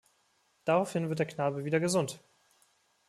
Daraufhin wird der Knabe wieder gesund.